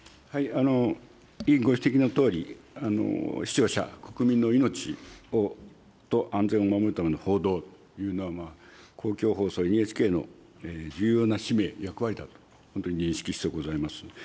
委員ご指摘のとおり、視聴者、国民の命と安全を守るための報道というのは公共放送ＮＨＫの重要な使命、役割だと認識してございます。